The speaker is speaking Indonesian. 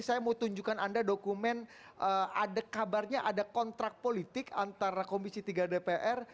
saya mau tunjukkan anda dokumen ada kabarnya ada kontrak politik antara komisi tiga dpr